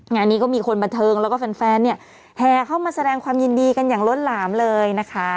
งานนี้ก็มีคนบันเทิงแล้วก็แฟนเนี่ยแห่เข้ามาแสดงความยินดีกันอย่างล้นหลามเลยนะคะ